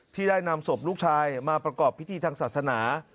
ได้นำศพลูกชายมาประกอบพิธีทางศาสนา